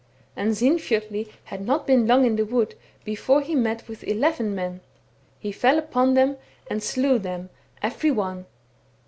And Sinfjotli had not been long in the wood before he met with eleven men ; he fell upon them and slew them every one.